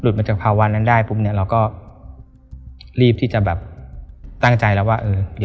จากภาวะนั้นได้เราก็รีบที่จะตั้งใจแล้วว่า